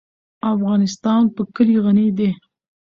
افغانستان په کلي غني دی.